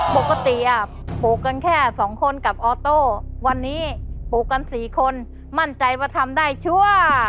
ปกติปลูกกันแค่สองคนกับออโต้วันนี้ปลูกกัน๔คนมั่นใจว่าทำได้ชั่ว